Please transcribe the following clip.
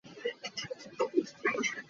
Mithram cat in kan zoh.